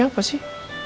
mau sih apa sih